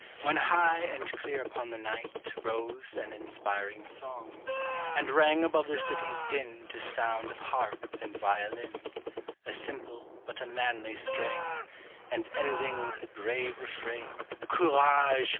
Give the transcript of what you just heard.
When high and clear upon the night Rose an inspiring song. And rang above the city's din To sound of harp and violin; A simple but a manly strain, And ending with the brave refrain Courage!